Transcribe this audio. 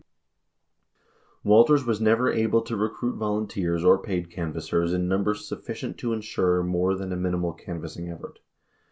205 Walters was never able to recruit volunteers or paid canvassers in numbers sufficient to assure more than a minimal canvassing effort.